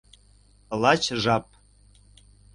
— Лач жап.